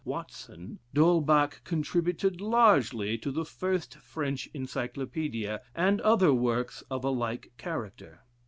Watson. D'Holbach contributed largely to the first French Encyclopaedia, and other works of a like character.